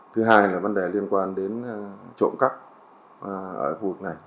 thứ hai là vấn đề liên quan đến trộm cắp ở khu vực này